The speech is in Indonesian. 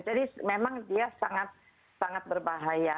jadi memang dia sangat sangat berbahaya